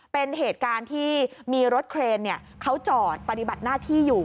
เป็นเหตุการณ์ที่มีรถเครนเขาจอดปฏิบัติหน้าที่อยู่